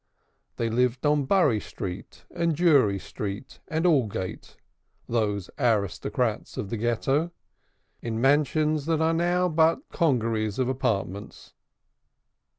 They lived in Bury Street, and Prescott Street, and Finsbury these aristocrats of the Ghetto in mansions that are now but congeries of "apartments."